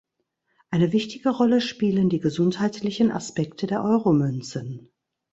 Eine wichtige Rolle spielen die gesundheitlichen Aspekte der Euromünzen.